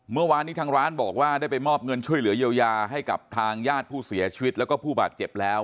เมื่อวานนี้ทางร้านบอกว่าได้ไปมอบเงินช่วยเหลือเยียวยาให้กับทางญาติผู้เสียชีวิตแล้วก็ผู้บาดเจ็บแล้ว